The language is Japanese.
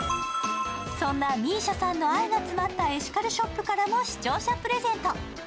そんなＭＩＳＩＡさんの愛が詰まったエシカルショップからも視聴者プレゼント。